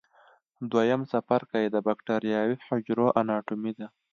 دویم څپرکی د بکټریاوي حجرو اناټومي ده.